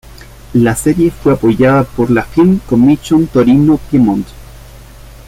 La serie fue apoyada por la Film Commission Torino Piemonte.